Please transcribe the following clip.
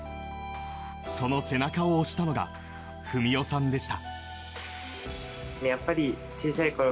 その背中を押したのが文雄さんでした。